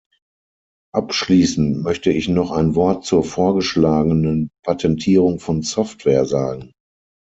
Abschließend möchte ich noch ein Wort zur vorgeschlagenen Patentierung von Software sagen.